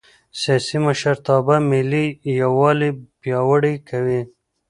سیاسي مشرتابه ملي یووالی پیاوړی کوي